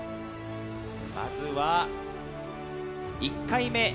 まずは１回目。